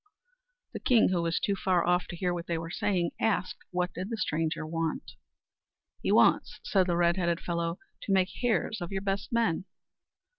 The king, who was too far off to hear what they were saying, asked what did the stranger want. "He wants," said the red headed fellow, "to make hares of your best men."